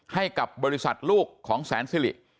ให้กับบริษัทลูกของแสนสิริ